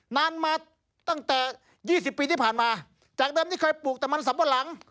นานมาตั้งแต่๒๐ปีที่ผ่านมาจากเดิมที่เคยปลูกแต่บ้านรักษัตริย์ตัวหลัง